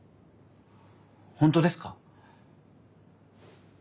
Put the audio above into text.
本当ですか？